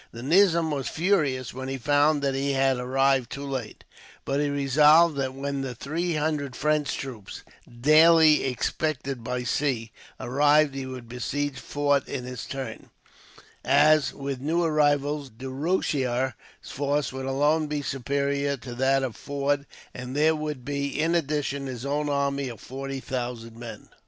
The nizam was furious when he found that he had arrived too late; but he resolved that when the three hundred French troops, daily expected by sea, arrived, he would besiege Forde in his turn; as, with the new arrivals, Du Rocher's force would alone be superior to that of Forde, and there would be, in addition, his own army of forty thousand men.